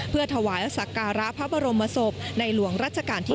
เพื่อถวายสักการะพระบรมศพในหลวงรัชกาลที่๙